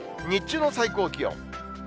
日中の最高気温。